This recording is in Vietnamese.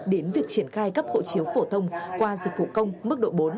đến việc triển khai gấp hội chiếu phổ thông qua dịch vụ công mức độ bốn